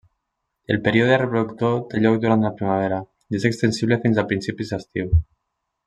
El període reproductor té lloc durant la primavera i és extensible fins als principis d'estiu.